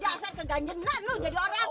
dasar keganjangan lu jadi orang